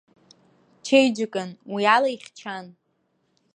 Чеиџьыкан, уи ала ихьчан.